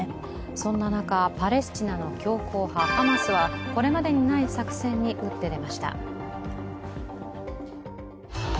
そんな中、パレスチナの強硬派ハマスはこれまでにない作戦に打って出ました。